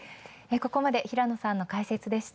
ここまで平野さんの解説でした。